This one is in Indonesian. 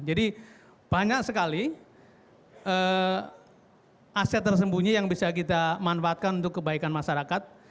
jadi banyak sekali aset tersembunyi yang bisa kita manfaatkan untuk kebaikan masyarakat